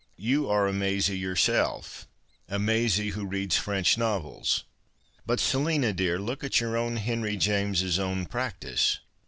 You are a Maisie your self — a Maisie who reads French novels. But, Selina, dear, look at your own Henry Janies's own practice.